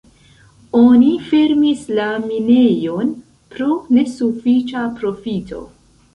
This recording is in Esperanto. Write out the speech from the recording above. Oni fermis la minejon pro nesufiĉa profito.